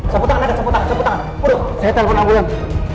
saya telepon ambulan